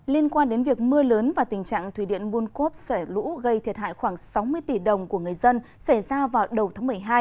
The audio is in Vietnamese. liên quan đến việc mưa lớn và tình trạng thủy điện buôn cốp xảy lũ gây thiệt hại khoảng sáu mươi tỷ đồng của người dân xảy ra vào đầu tháng một mươi hai